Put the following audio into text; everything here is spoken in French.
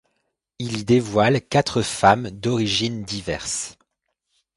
Il y dévoile quatre femmes d'origines diverses.